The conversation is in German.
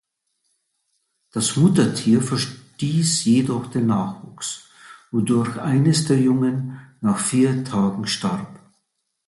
Das Muttertier verstieß jedoch den Nachwuchs, wodurch eines der Jungen nach vier Tagen starb.